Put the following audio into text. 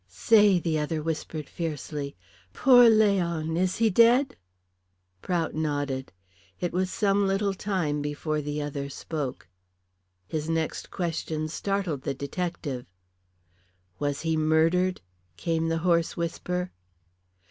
"Say," the other whispered fiercely. "Poor Leon is he dead?" Prout nodded. It was some little time before the other spoke. His next question startled the detective. "Was he murdered?" came the hoarse whisper.